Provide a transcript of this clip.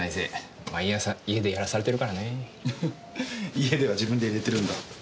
フフ家では自分で淹れてるんだ。